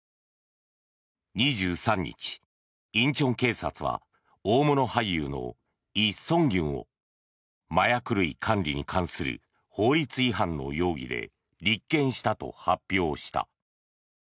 ２３日、仁川警察は大物俳優のイ・ソンギュンを麻薬類管理に関する法律違反の容疑で立件したと発表した。